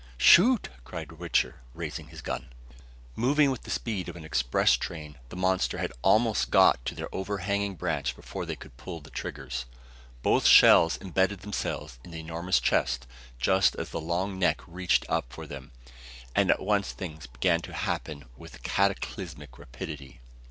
"Shoot!" cried Wichter, raising his gun. Moving with the speed of an express train, the monster had almost got to their overhanging branch before they could pull the triggers. Both shells imbedded themselves in the enormous chest, just as the long neck reached up for them. And at once things began to happen with cataclysmic rapidity.